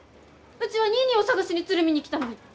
うちはニーニーを捜しに鶴見に来たのに！